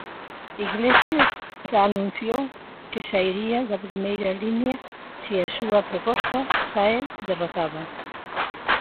Iglesias xa anunciou que sairía da primeira liña se a súa proposta sae derrotada.